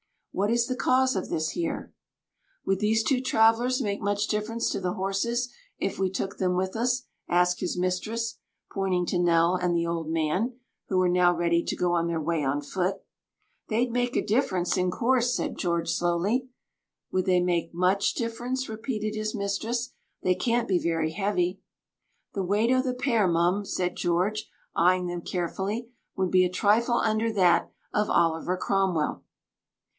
What is the cause of this here?" "Would these two travellers make much difference to the horses if we took them with us?" asked his mistress, pointing to Nell and the old man, who were now ready to go on their way on foot. "They'd make a difference, in course," said George slowly. "Would they make much difference?" repeated his mistress. "They can't be very heavy." "The weight o' the pair, mum," said George, eyeing them carefully, "would be a trifle under that of Oliver Cromwell."